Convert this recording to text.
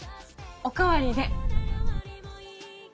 お代わりで！